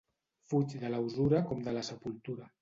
Fuig de la usura com de la sepultura.